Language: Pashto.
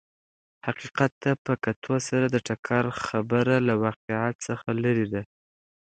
حقیقت ته په کتو سره د ټکر خبره له واقعیت څخه لرې ده.